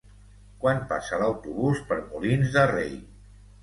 Quan passa l'autobús per Molins de Rei?